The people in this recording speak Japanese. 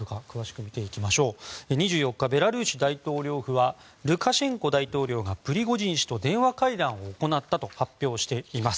２４日、ベラルーシ大統領府はルカシェンコ大統領がプリゴジン氏と電話会談を行ったと発表しています。